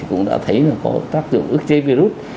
cũng đã thấy có tác dụng ức chế virus